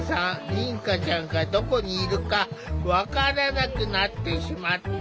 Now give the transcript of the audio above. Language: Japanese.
凛花ちゃんがどこにいるか分からなくなってしまった。